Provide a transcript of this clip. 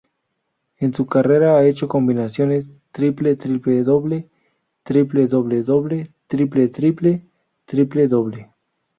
En su carrera ha hecho combinaciones triple-triple-doble, triple-doble-doble, triple-triple, triple-doble.